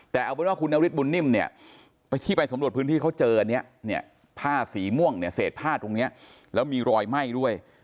แต่เอาเป็นว่าคุณนฤทธบุญนิ่มเนี่ยที่ไปสำรวจพื้นที่เขาเจออันนี้เนี่ยผ้าสีม่วงเนี่ยเศษผ้าตรงนี้แล้วมีรอยไหม้ด้วย